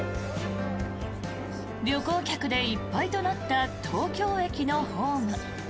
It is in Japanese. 旅行客でいっぱいとなった東京駅のホーム。